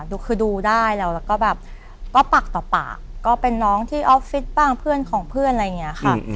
ดูคือดูได้แล้วแล้วก็แบบก็ปากต่อปากก็เป็นน้องที่ออฟฟิศบ้างเพื่อนของเพื่อนอะไรอย่างนี้ค่ะ